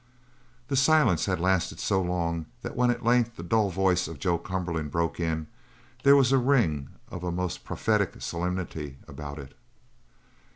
That silence had lasted so long that when at length the dull voice of Joe Cumberland broke in, there was a ring of a most prophetic solemnity about it.